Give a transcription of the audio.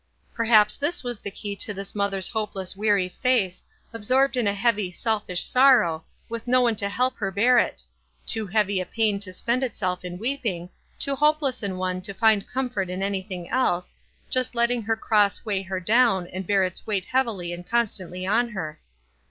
Perhaps this was the key to this My little Laurie. — Page 306. WISE AND OTHERWISE. 307 mother's hopeless, weary face, absorbed in a heavy, selfish sorrow, with no one to help her bear it; too heavy a pain to spend itself in weeping, too hopeless an one to find comfort in anything else, just letting her cross weigh her down, and bear its weight heavily and con stantly on her.